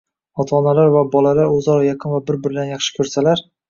ota-onalar va bolalar o‘zaro yaqin va bir-birlarini yaxshi ko‘rsalar.